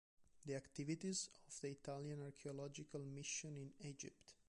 The Activities of the Italian Archaeological Mission in Egypt.